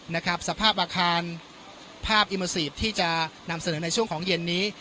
นะครับสภาพอาคารภาพอิโมซีฟที่จะนำเสนอในช่วงของเย็นนี้